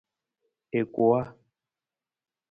I kuwa.